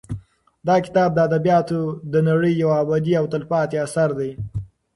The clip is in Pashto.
دا کتاب د ادبیاتو د نړۍ یو ابدي او تلپاتې اثر دی.